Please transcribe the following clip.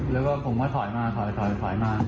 แล้วก็ผมก็ถอยมาถอยมา